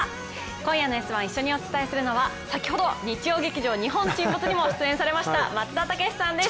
今夜の「Ｓ☆１」一緒にお伝えするのは先ほど、日曜劇場「日本沈没」にも出演されました松田丈志さんです